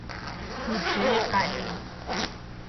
بودجهی قلیل